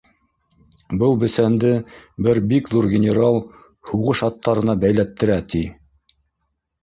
Был бесәнде бер бик ҙур генерал һуғыш аттарына бәйләттертә, — ти.